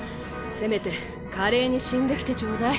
せめて華麗に死んできてちょうだい。